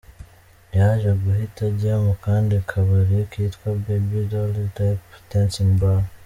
Yaje guhita ajya mu kandi kabari kitwa Baby Dolls lap-dancing bar.